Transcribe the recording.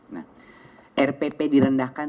nah rpp di rendah kelas